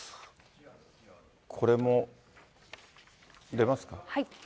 これも、出ますか？